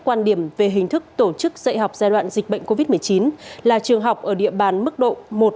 quan điểm về hình thức tổ chức dạy học giai đoạn dịch bệnh covid một mươi chín là trường học ở địa bàn mức độ một